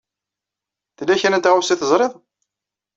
Tella kra n tɣawsa i teẓṛiḍ?